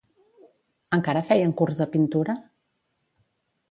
Encara feien curs de pintura?